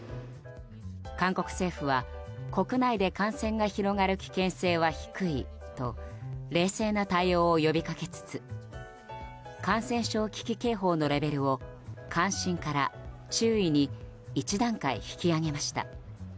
韓国政府は国内で感染が広がる危険性は低いと冷静な対応を呼びかけつつ感染症危機警報のレベルを関心から注意に１段階引き上げました。